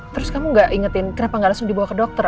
terus kamu gak ingetin kenapa nggak langsung dibawa ke dokter